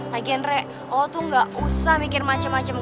lagian re lo tuh nggak usah mikir macem macem